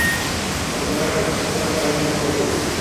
অতঃপর ওটাকে বিক্ষিপ্ত করে সাগরে নিক্ষেপ করবই।